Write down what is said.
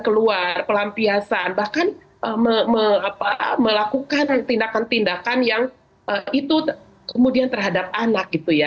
keluar pelampiasan bahkan melakukan tindakan tindakan yang itu kemudian terhadap anak gitu ya